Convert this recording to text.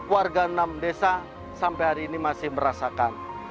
warga enam desa sampai hari ini masih merasakan